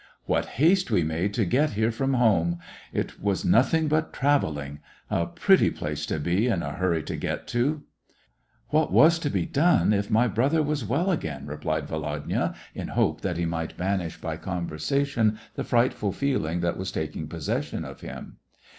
" What haste we made to get here from home. It was nothing but travelling. A pretty place to be in a hurry to get to !"What was to be done, if my brother was well l8o SEVASTOPOL IN AUGUST. again," replied Volodya, in hope that he might banish by conversation the frightful feeling that was taking possession of him.